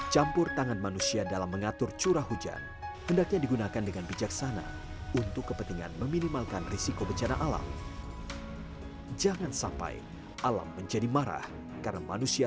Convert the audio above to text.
jangan lupa like share dan subscribe channel ini